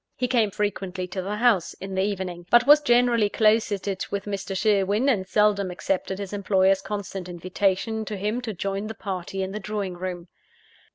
He came frequently to the house, in the evening; but was generally closeted with Mr. Sherwin, and seldom accepted his employer's constant invitation to him to join the party in the drawing room.